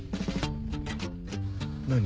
何？